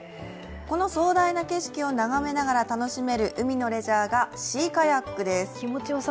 この壮大な景色を眺めながら楽しめる海のレジャーがシーカヤックです。